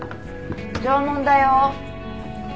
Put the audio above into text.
縄文だよ。